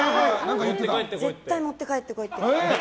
絶対持って帰ってこいって。